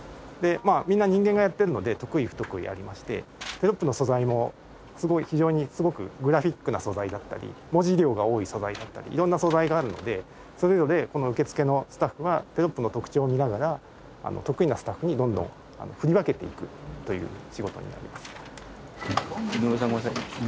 みんな人間がやってるので得意不得意ありましてテロップの素材もすごい非常にすごくグラフィックな素材だったり文字量が多い素材だったり色んな素材があるのでそれぞれこの受付のスタッフはテロップの特徴を見ながら得意なスタッフにどんどん振り分けていくという仕事になります。